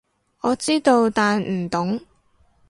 我知道，但唔懂